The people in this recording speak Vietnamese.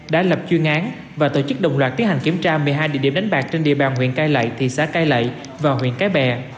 đã lập chuyên án và tổ chức đồng loạt tiến hành kiểm tra một mươi hai địa điểm đánh bạc trên địa bàn huyện cai lệ thị xã cai lậy và huyện cái bè